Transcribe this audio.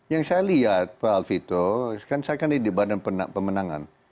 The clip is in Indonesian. yang saya lihat pak alfito kan saya kan di badan pemenangan